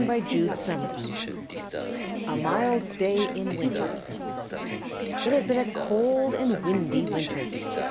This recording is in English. A MILD DAY IN WINTER It had been a cold and windy winter.